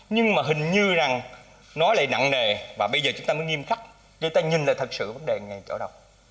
nhưng mà hình như rằng nó lại nặng nề và bây giờ chúng ta mới nghiêm khắc để ta nhìn là thật sự vấn đề ở chỗ đâu